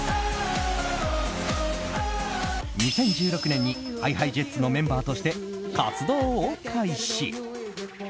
２０１６年にＨｉＨｉＪｅｔｓのメンバーとして活動を開始。